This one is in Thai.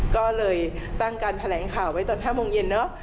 ก็เลยตั้งการแถลงข่าวไว้ตอน๕โมงเย็นเนอะ